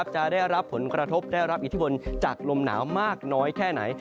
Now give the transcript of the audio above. จะได้รับผลกระทบได้รับอิทธิพลจากลมหนาวมากน้อยแค่ไหน